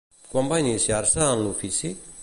Quan va iniciar-se en l'ofici?